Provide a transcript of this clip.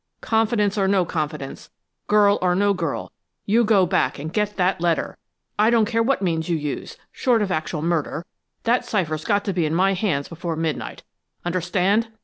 Confidence or no confidence, girl or no girl, you go back and get that letter! I don't care what means you use, short of actual murder; that cipher's got to be in my hands before midnight. Understand?"